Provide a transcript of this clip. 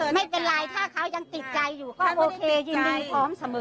ไม่เป็นไรถ้าเขายังติดใจอยู่ก็โอเคยินดีพร้อมเสมอ